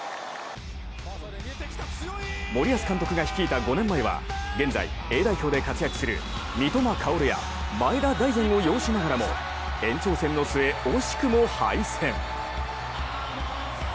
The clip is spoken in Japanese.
森保監督が率いた５年前は現在、Ａ代表で活躍する三笘薫や前田大然を擁しながらも延長戦の末、惜しくも敗戦。